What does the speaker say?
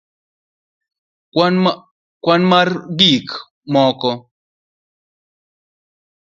kwan mar gik moko?